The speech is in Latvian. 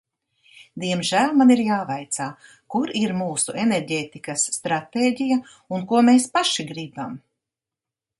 Diemžēl man ir jāvaicā: kur ir mūsu enerģētikas stratēģija un ko mēs paši gribam?